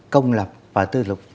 công lập và tư thuộc